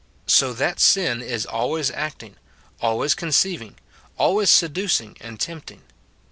So that sin is always acting, always conceiving, always seducing and tempting.